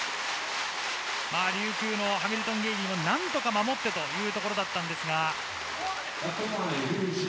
琉球のハミルトンゲイリーも何とか守ってというところだったんですが。